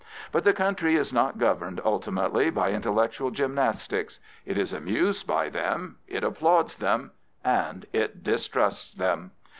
But the country is not governed ultimately by intellectual gymnastics. It is amused by them; it applauds them; and it distrusts them.